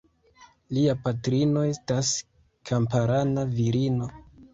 Lia patrino estas kamparana virino.